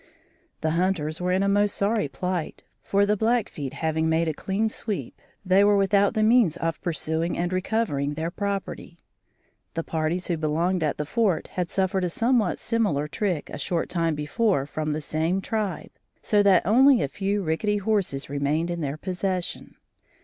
The hunters were in a most sorry plight, for the Blackfeet having made a clean sweep, they were without the means of pursuing and recovering their property. The parties who belonged at the fort had suffered a somewhat similar trick a short time before from the same tribe, so that only a few rickety horses remained in their possession.